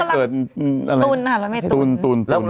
พี่กรุงเมเติ้ลตุ่นอ่ะแล้วไม่ตุ่น